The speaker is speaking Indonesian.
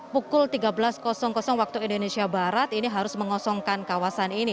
pukul tiga belas waktu indonesia barat ini harus mengosongkan kawasan ini